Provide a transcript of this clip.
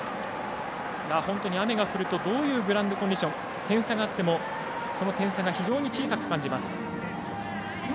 本当に雨が降ると、どういうグラウンドコンディション点差があっても、その点差が非常に小さく感じます。